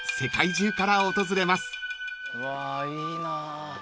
うわいいな。